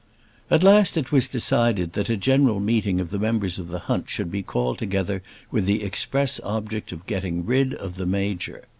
At last it was decided that a general meeting of the members of the hunt should be called together with the express object of getting rid of the Major.